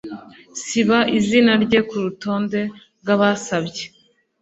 Siba izina rye kurutonde rwabasabye.